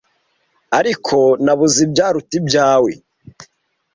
Ariko nabuze ibyaruta ibyawe